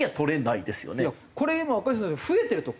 これ今若新さん増えてると。